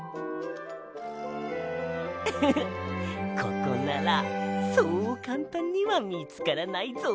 ウフフッここならそうかんたんにはみつからないぞ。